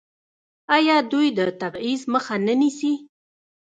آیا دوی د تبعیض مخه نه نیسي؟